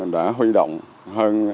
đã huy động hơn